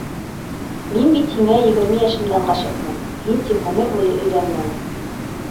Мин бит һиңә егерме йәшемдән ғашиҡмын, һин тип ғүмер буйы өйләнмәнем.